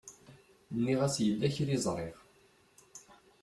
Nniɣ-as yella kra i ẓriɣ.